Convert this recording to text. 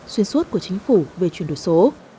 xuyên suốt của chính phủ về chuyển đổi số